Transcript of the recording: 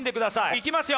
いきますよ！